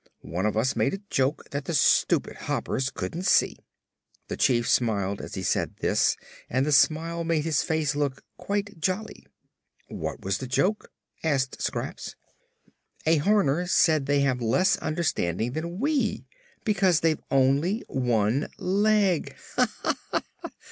One of us made a joke that the stupid Hoppers couldn't see." The Chief smiled as he said this and the smile made his face look quite jolly. "What was the joke?" asked Scraps. "A Horner said they have less understanding than we, because they've only one leg. Ha, ha!